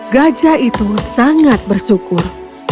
gajah itu sangat bersyukur